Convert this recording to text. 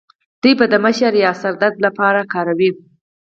دوی به د مشر یا سردار لپاره کاروی